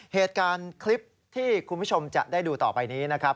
เหตุการณ์คลิปที่คุณผู้ชมจะได้ดูต่อไปนี้นะครับ